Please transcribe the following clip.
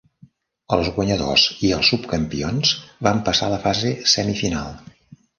Els guanyadors i els subcampions van passar a la fase semifinal.